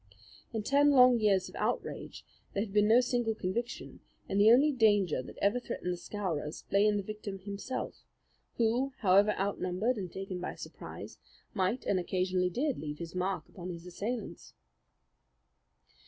In ten long years of outrage there had been no single conviction, and the only danger that ever threatened the Scowrers lay in the victim himself who, however outnumbered and taken by surprise, might and occasionally did leave his mark upon his assailants.